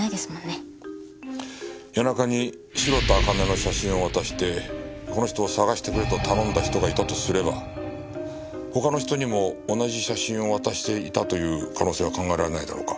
谷中に白田朱音の写真を渡してこの人を捜してくれと頼んだ人がいたとすれば他の人にも同じ写真を渡していたという可能性は考えられないだろうか。